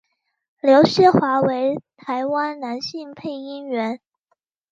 刘锡华为台湾男性配音员。